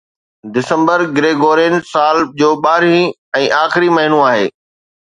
December Gregorian سال جو ٻارهين ۽ آخري مهينو آهي